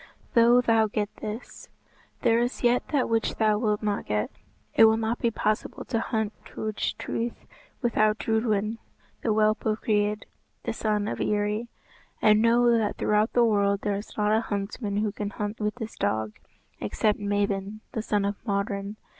"Though thou get this, there is yet that which thou wilt not get. It will not be possible to hunt Turch Truith without Drudwyn the whelp of Greid, the son of Eri, and know that throughout the world there is not a huntsman who can hunt with this dog, except Mabon the son of Modron.